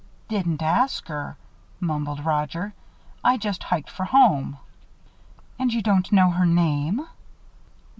"Didn't ask her," mumbled Roger. "I just hiked for home." "And you don't know her name?"